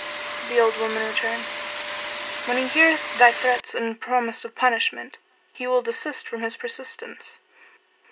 The old woman returned "When he heareth thy threats and promise of punishment, he will desist from his persistence."